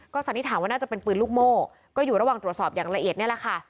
สันนิษฐานว่าน่าจะเป็นปืนลูกโม่ก็อยู่ระหว่างตรวจสอบอย่างละเอียดนี่แหละค่ะ